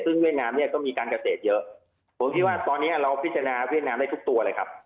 ซึ่งเวียดนามเนี่ยก็มีการเกษตรเยอะผมคิดว่าตอนนี้เราพิจารณาเวียดนามได้ทุกตัวเลยครับ